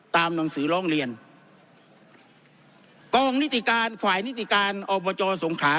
หนังสือร้องเรียนกองนิติการฝ่ายนิติการอบจสงขา